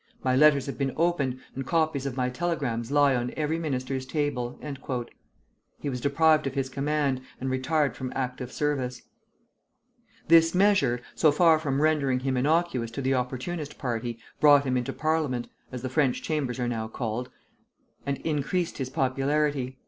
My letters have been opened, and copies of my telegrams lie on every minister's table." He was deprived of his command, and retired from active service. [Footnote 1: To a reporter for "Figaro."] This measure, so far from rendering him innocuous to the Opportunist party, brought him into Parliament (as the French Chambers are now called) and increased his popularity.